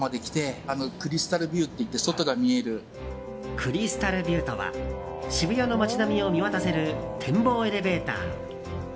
クリスタルビューとは渋谷の街並みを見渡せる展望エレベーター。